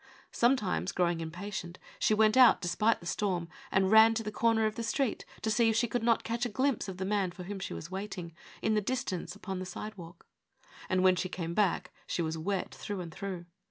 Sometimes, growing impatient, she went out, despite the storm, and ran to the corner of the street to see if she could not catch a glimpse of the man for whom she was waiting, in the distance, upon the sidewalk. And when she came back she was wet through and through.